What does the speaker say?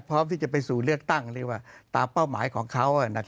พร้อมที่จะไปสู่เลือกตั้งเรียกว่าตามเป้าหมายของเขา